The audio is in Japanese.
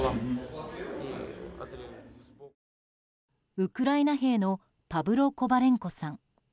ウクライナ兵のパブロ・コバレンコさん。